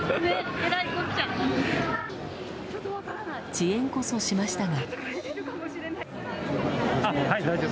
遅延こそしましたが。